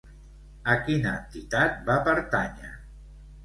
A quina entitat va pertànyer?